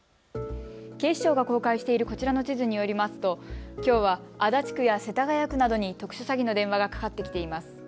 警視庁が公開しているこちらの地図によりますときょうは足立区や世田谷区などに特殊詐欺の電話がかかってきています。